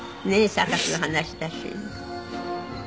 サーカスの話だし。